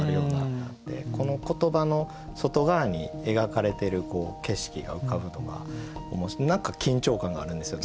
この言葉の外側に描かれてる景色が浮かぶのが何か緊張感があるんですよ。